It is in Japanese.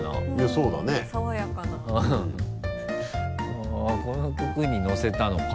あぁこの曲に乗せたのか。